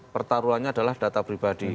pertaruhannya adalah data pribadi